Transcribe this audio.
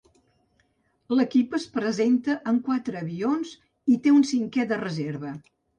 L'equip es presenta amb quatre avions i té un cinquè de reserva.